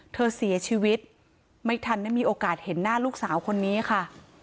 เธอเสียชีวิตไม่ทันได้มีโอกาสเห็นหน้าลูกสาวคนนี้ค่ะ